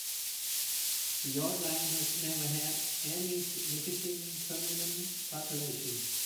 Fiordland has never had any significant permanent population.